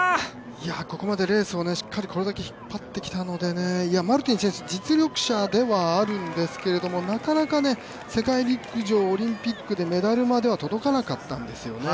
ここまでレースをしっかりこれだけ引っ張ってきたのでマルティン選手、実力者ではあるんですけども、なかなか世界陸上、オリンピックでメダルまでは届かなかったんですよね。